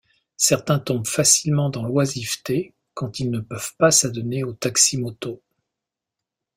Certains tombent facilement dans l'oisiveté quand ils ne peuvent pas s’adonner au taxi-moto.